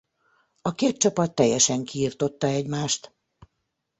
A két csapat teljesen kiirtotta egymást.